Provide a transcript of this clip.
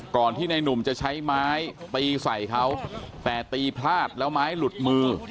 ก่อนที่ในหนุ่มจะใช้ไม้ตีใส่เขาแต่ตีพลาดแล้วไม้หลุดมือ